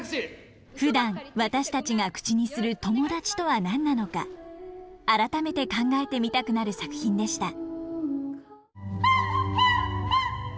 ふだん私たちが口にする友達とは何なのか改めて考えてみたくなる作品でした。